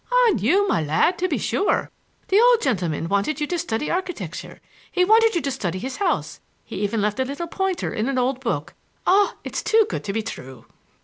"On you, my lad, to be sure! The old gentleman wanted you to study architecture; he wanted you to study his house; he even left a little pointer in an old book! Oh, it's too good to be true!"